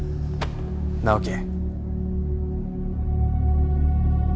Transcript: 直樹。